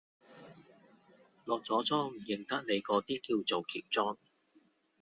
落咗妝唔認得你嗰啲，叫做喬裝